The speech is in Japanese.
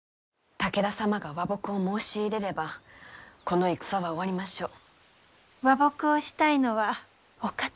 武田様が和睦を申し入れればこの戦は終わりましょう。